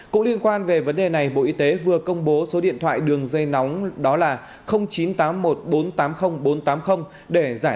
cũng liên quan về vấn đề này bộ y tế vừa công bố số điện thoại đường dây nóng chín trăm tám mươi một bốn trăm tám mươi bốn trăm tám mươi để giải